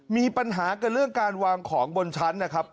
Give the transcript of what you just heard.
มีปัญหากันเรื่องการวางของบนชั้นนะครับ